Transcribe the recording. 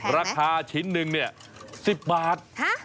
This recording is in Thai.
ราคาชิ้นหนึ่ง๑๐บาท